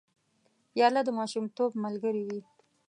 پیاله د ماشومتوب ملګرې وي.